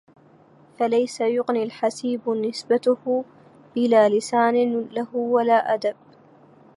فَلَيسَ يُغني الحَسيبُ نِسبَتَه بِلا لِسانٍ لَهُ وَلا أَدَبِ